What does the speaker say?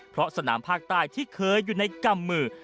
เพราะสนามภาคใต้ที่เคยอยู่ในกำมือ